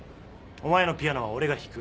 お前のピアノは俺が弾く。